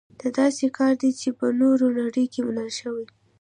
دا داسې کار دی چې په نوره نړۍ کې منل شوی.